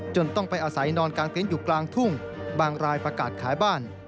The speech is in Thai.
ต้องไปอาศัยนอนกลางเต็นต์อยู่กลางทุ่งบางรายประกาศขายบ้าน